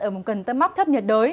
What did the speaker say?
ở vùng gần tâm áp thấp nhiệt đới